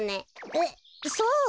えっそう？